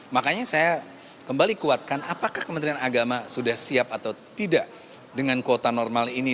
makanya saya kembali kuatkan apakah kementerian agama sudah siap atau tidak dengan kuota normal ini